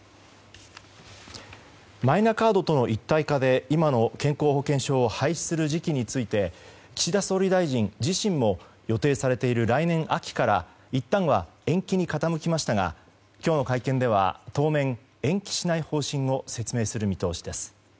マイナカードとの一体化で今の健康保険証を廃止する時期について岸田総理大臣自身も予定されている来年秋からいったんは、延期に傾きましたが今日の会見では当面、延期しない方針を説明する見通しです。